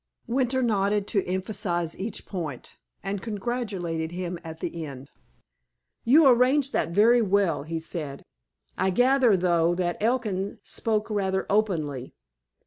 Winter nodded to emphasize each point, and congratulated him at the end. "You arranged that very well," he said. "I gather, though, that Elkin spoke rather openly."